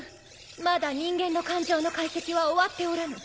まだ人間の感情の解析は終わっておらぬ。